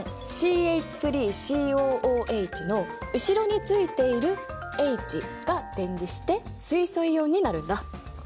酢酸ＣＨＣＯＯＨの後ろについているＨが電離して水素イオンになるんだ。